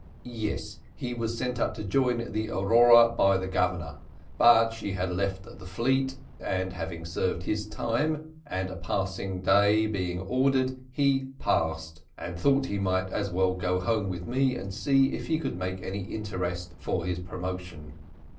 "Yes, he was sent up to join the Aurora by the Governor, but she had left the fleet, and having served his time, and a passing day being ordered, he passed, and thought he might as well go home with me and see if he could make any interest for his promotion."